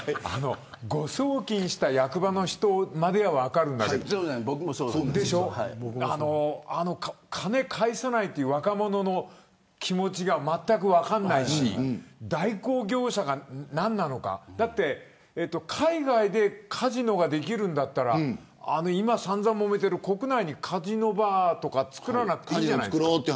誤送金した役場の人までは分かるんだけど金を返さない若者の気持ちがまったく分からないし代行業者が何なのか海外でカジノができるんだったら今散々もめている国内でカジノバーとか作らなくていいじゃない。